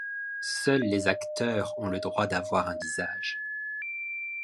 Seuls les acteurs ont le droit d'avoir un visage.